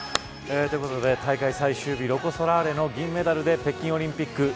ということで、大会最終日ロコ・ソラーレの銀メダルで北京オリンピック